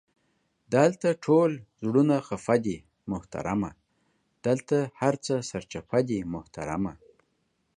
دالته ټول زړونه خفه دې محترمه، دالته هر څه سرچپه دي محترمه!